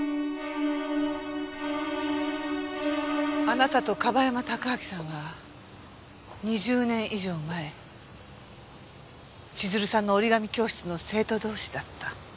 あなたと樺山貴明さんは２０年以上前千鶴さんの折り紙教室の生徒同士だった。